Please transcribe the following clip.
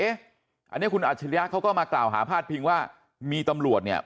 อันนี้คุณอัจฉริยะเขาก็มากล่าวหาพาดพิงว่ามีตำรวจเนี่ย